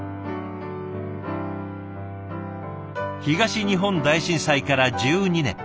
東日本大震災から１２年。